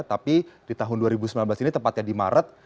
tapi di tahun dua ribu sembilan belas ini tempatnya di maret